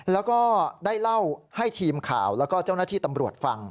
แล้วก็ได้เล่าให้ทีมข่าวแล้วก็เจ้าหน้าที่ตำรวจฟัง